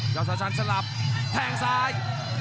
ยอดละชันสลับแทงซ้าย